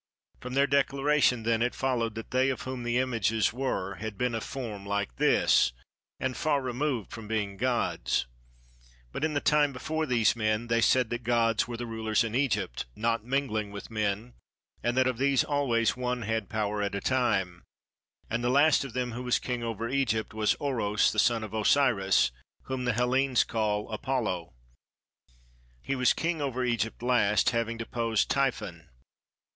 From their declaration then it followed, that they of whom the images were had been of form like this, and far removed from being gods: but in the time before these men they said that gods were the rulers in Egypt, not mingling with men, and that of these always one had power at a time; and the last of them who was king over Egypt was Oros the son of Osiris, whom the Hellenes call Apollo: he was king over Egypt last, having deposed Typhon.